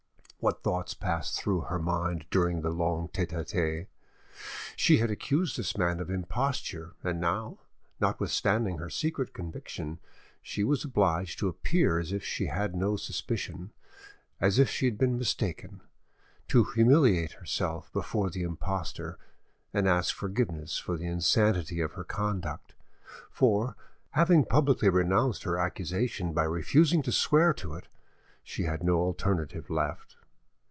What thoughts passed through her mind during the long 'tete a tete'? She had accused this man of imposture, and now, notwithstanding her secret conviction, she was obliged to appear as if she had no suspicion, as if she had been mistaken, to humiliate herself before the impostor, and ask forgiveness for the insanity of her conduct; for, having publicly renounced her accusation by refusing to swear to it, she had no alternative left.